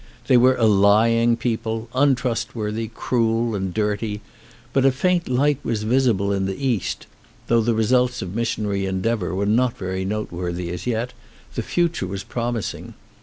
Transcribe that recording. They were a lying people, untrustworthy, cruel, and dirty, but a faint light was visible in the East; though the results of missionary endeavour were not very noteworthy as yet, the future was prom ising.